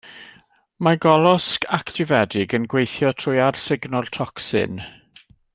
Mae golosg actifedig yn gweithio trwy arsugno'r tocsin.